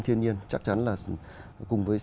thiên nhiên chắc chắn là cùng với